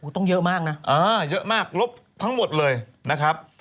ต้องเยอะมากนะเยอะมากลบทั้งหมดเลยนะครับ